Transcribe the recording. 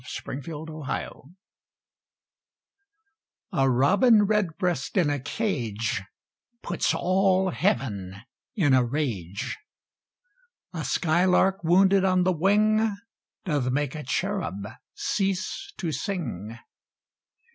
THREE THINGS TO REMEMBER A Robin Redbreast in a cage Puts all Heaven in a rage. A skylark wounded on the wing Doth make a cherub cease to sing.